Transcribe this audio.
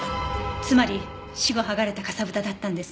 つまり死後剥がれたかさぶただったんですね。